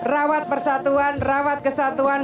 rawat persatuan rawat kesatuan